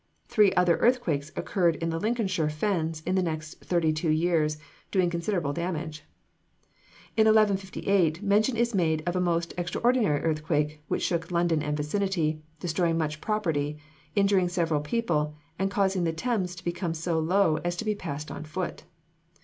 Three other earthquakes occurred in the Lincolnshire fens in the next thirty two years, doing considerable damage. In 1158 mention is made of a most extraordinary earthquake which shook London and vicinity, destroying much property, injuring several people, and causing the Thames to become so low as to be passed on foot.